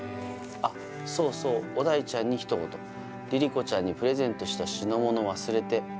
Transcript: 「アッそうそう小田井ちゃんにひと言」「リリコちゃんにプレゼントした品物忘れて」